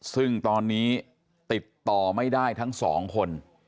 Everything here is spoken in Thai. ซึ่งตอนนี้ติดต่อไม่ได้ทั้งสองคน